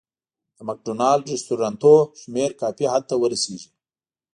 د مک ډونالډ رستورانتونو شمېر کافي حد ته ورسېږي.